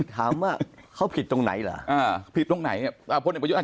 ถามว่าเขาผิดตรงไหนแหละมีอะไรนึง